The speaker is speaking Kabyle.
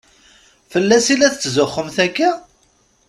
Fell-as i la tetzuxxumt akka?